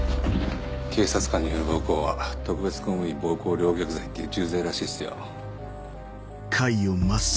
警察官による暴行は特別公務員暴行陵虐罪っていう重罪らしいっすよ。